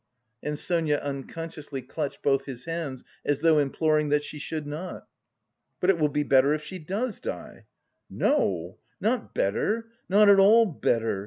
And Sonia unconsciously clutched both his hands, as though imploring that she should not. "But it will be better if she does die." "No, not better, not at all better!"